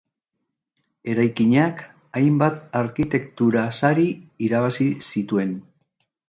Eraikinak hainbat arkitektura sari irabazi zituen.